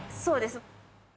そうです。